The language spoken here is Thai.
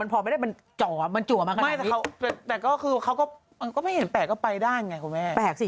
พอไม่ได้มันจ๋อมันจุมามากว่านี้